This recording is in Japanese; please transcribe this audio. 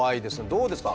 どうですか？